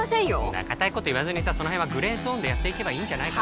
んな固いこと言わずにさその辺はグレーゾーンでやっていけばいいんじゃない？